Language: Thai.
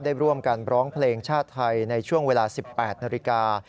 ได้ร่วมกันร้องเพลงชาติไทยในช่วงเวลา๑๘นาฬิกา